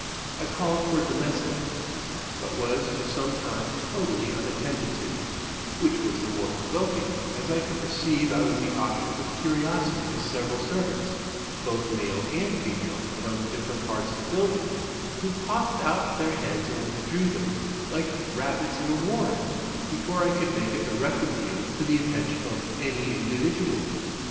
I called for a domestic, but was for some time totally unattended to; which was the more provoking, as I could perceive I was the object of curiosity to several servants, both male and female, from different parts of the building, who popped out their heads and withdrew them, like rabbits in a warren, before I could make a direct appeal to the attention of any individual.